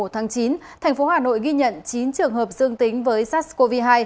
thành phố hà nội ghi nhận chín trường hợp dương tính với sars cov hai